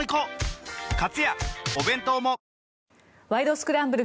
スクランブル」